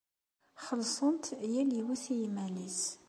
Xellṣent yal yiwet i yiman-nnes.